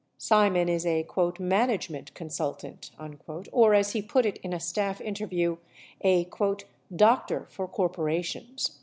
Simon is a "management consultant," or as he put it in a staff interview, a "doctor for corporations."